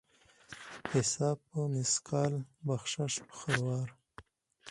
حساب په مثقال ، بخشش په خروار.